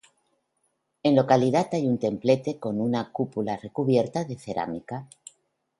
En localidad hay un templete con una cúpula recubierta de cerámica.